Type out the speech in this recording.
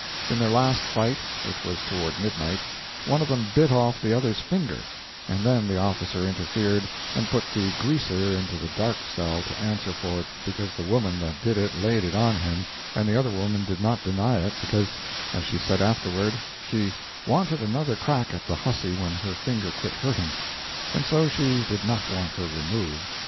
In their last fight, which was toward midnight, one of them bit off the other's finger, and then the officer interfered and put the "Greaser" into the "dark cell" to answer for it because the woman that did it laid it on him, and the other woman did not deny it because, as she said afterward, she "wanted another crack at the huzzy when her finger quit hurting," and so she did not want her removed.